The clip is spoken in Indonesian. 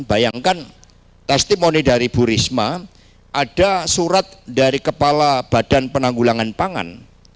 bayangkan testimoni dari bu risma ada surat dari kepala badan penanggulangan pangan